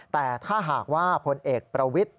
แต่ถ้าหากว่าพลเอกประวิทธิ